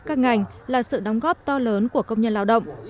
các ngành là sự đóng góp to lớn của công nhân lao động